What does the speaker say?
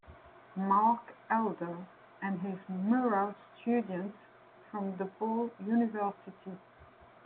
Mark Elder and his mural students from DePaul University.